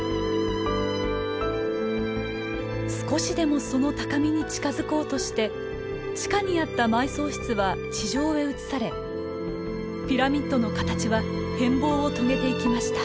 少しでもその高みに近づこうとして地下にあった埋葬室は地上へ移されピラミッドの形は変貌を遂げていきました。